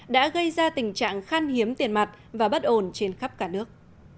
đã gây ra tình trạng khan hiếm tiền mặt và bất ổn trên khắp cả nước